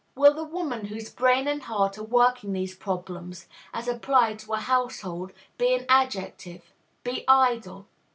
Will the woman whose brain and heart are working these problems, as applied to a household, be an adjective? be idle?